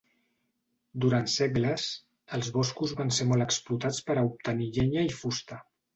Durant segles, els boscos van ser molt explotats per a obtenir llenya i fusta.